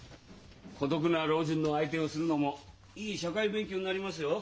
孤独な老人の相手をするのもいい社会勉強になりますよ。